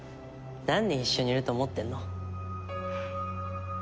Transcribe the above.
何年一緒にいると思ってんの。